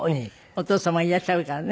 お父様いらっしゃるからね。